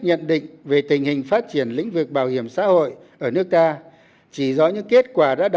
nhận định về tình hình phát triển lĩnh vực bảo hiểm xã hội ở nước ta chỉ do những kết quả